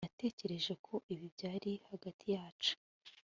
natekereje ko ibi byari hagati yacu